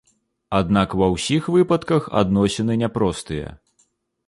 Аднак ва ўсіх выпадках адносіны няпростыя.